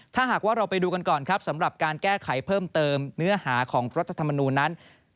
ถ้าหากว่าเราไปดูกันก่อนครับสำหรับการแก้ไขเพิ่มเติมเนื้อหาของรัฐธรรมนูลนั้น